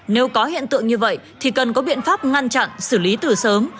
nếu có hiện tượng như vậy thì cần có biện pháp ngăn chặn xử lý từ sớm